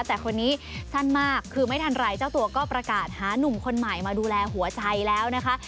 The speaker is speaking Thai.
แต่คนนี้สั้นมากคือไม่ทันไรเจ้าตัวก็ประกาศหานุ่มคนใหม่มาดูแลหัวใจแล้วนะคะ